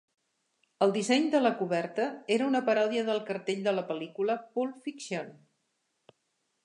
El disseny de la coberta era una paròdia del cartell de la pel·lícula "Pulp Fiction".